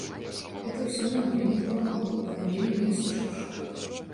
Гэта ўсё нам вельмі дапамагло і дало вельмі моцны штуршок.